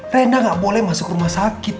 renda gak boleh masuk rumah sakit